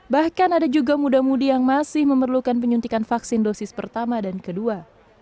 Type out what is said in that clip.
bahkan ada juga muda mudi yang masih memerlukan penyuntikan vaksin dosis pertama dan kedua